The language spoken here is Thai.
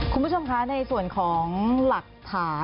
คุณผู้ชมคะในส่วนของหลักฐาน